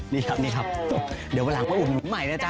นี่ครับนี่ครับเดี๋ยววันหลังมาอุ่นหนูใหม่เลยจ้ะ